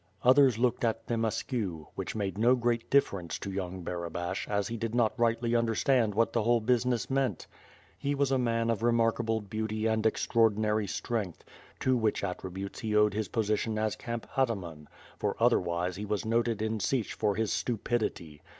Others looked at them askew, which made no great dilTerence to young Barabash as he did not rightly under stand what the whole business meant. He was a man of remarkable beauty and extraordinary strength, to which at tributes he owed his position as camp ataman, for otherwise he was noted in Sich for his stupidity.